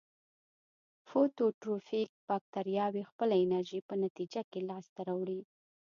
فوتوټروفیک باکتریاوې خپله انرژي په نتیجه کې لاس ته راوړي.